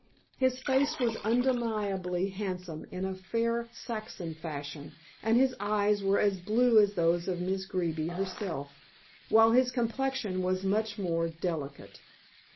His face was undeniably handsome in a fair Saxon fashion, and his eyes were as blue as those of Miss Greeby herself, while his complexion was much more delicate.